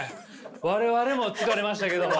我々も疲れましたけども。